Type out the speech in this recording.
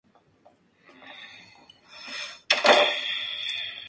Al final del mandato se incorporó al proyecto del Centro Carter, donde es codirectora.